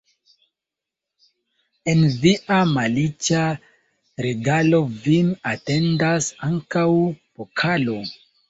En via malica regalo vin atendas ankaŭ pokalo.